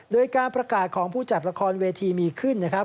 โดยการประกาศของผู้จัดละครเวทีมีขึ้นนะครับ